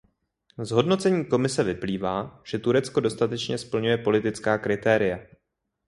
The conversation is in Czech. Z hodnocení Komise vyplývá, že Turecko dostatečně splňuje politická kritéria.